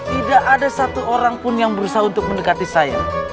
tidak ada satu orang pun yang berusaha untuk mendekati saya